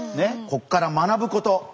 こっから学ぶこと。